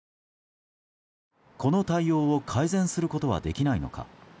この対応を改善することはできないのか。